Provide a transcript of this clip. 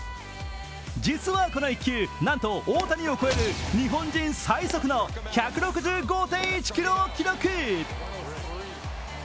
実はこの１球、なんと大谷を超える日本人最速の１６５．１キロを記録。